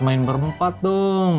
main berempat dong